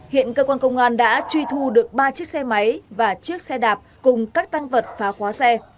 hiện cơ quan công an đã truy thu được ba chiếc xe máy và chiếc xe đạp cùng các tăng vật phá khóa xe